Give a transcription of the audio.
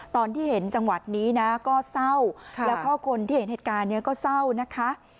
ตอนที่เห็นจังหวัดนี้นะก็เศร้าแล้วก็คนที่เห็นเหตุการณ์นี้ก็เศร้านะคะ